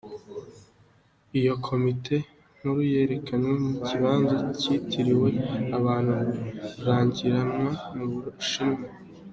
Iyo komite nkuru yerekanywe mu kibanza citiriwe abantu rurangiranwa mu Bushinwa.